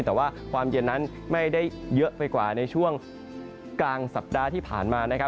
แต่ว่าความเย็นนั้นไม่ได้เยอะไปกว่าในช่วงกลางสัปดาห์ที่ผ่านมานะครับ